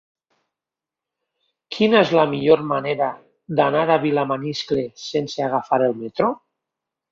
Quina és la millor manera d'anar a Vilamaniscle sense agafar el metro?